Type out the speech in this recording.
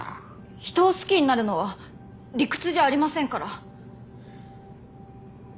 人を好きになるのは理屈じゃありませんから。